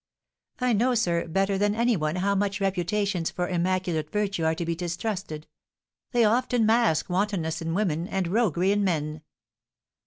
"I know, sir, better than any one how much reputations for immaculate virtue are to be distrusted; they often mask wantonness in women and roguery in men."